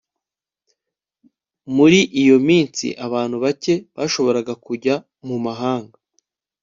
Muri iyo minsi abantu bake bashoboraga kujya mu mahanga